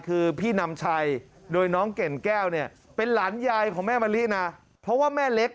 คือพี่นำชัยโดยน้องแก่นแก้วเนี่ยเป็นหลานยายของแม่มะลินะเพราะว่าแม่เล็ก